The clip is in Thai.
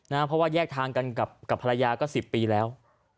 เพราะว่าแยกทางกันกับภรรยาก็๑๐ปีแล้ว